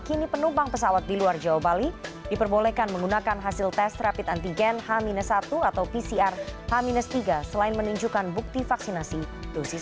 kini penumpang pesawat di luar jawa bali diperbolehkan menggunakan hasil tes rapid antigen h satu atau h dua